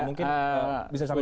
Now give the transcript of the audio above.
mungkin bisa sampai ke republik